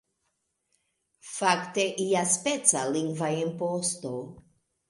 Fakte iaspeca lingva imposto.